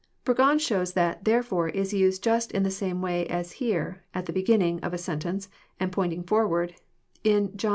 Burgon shows that " therefore " is used Just in the same way as here, at the beginning of a sentence, and pointing forward, in John v.